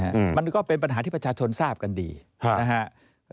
นะฮะมันก็เป็นปัญหาที่ประชาชนทราบกันดีฮะ